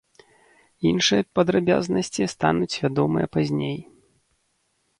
Іншыя падрабязнасці стануць вядомыя пазней.